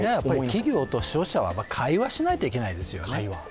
企業と消費者は会話しないといけないですよね。